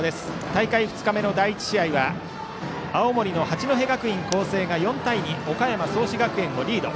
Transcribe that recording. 大会２日目の第１試合は青森の八戸学院光星が４対２と岡山・創志学園をリード。